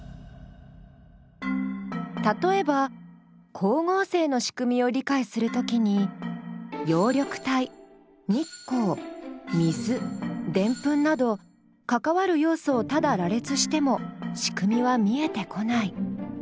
例えば光合成の仕組みを理解するときになど関わる要素をただ羅列しても仕組みは見えてこない。